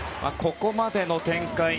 ここまでの展開